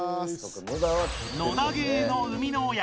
「野田ゲー」の生みの親